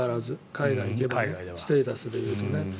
海外に行けばステータスでいえば。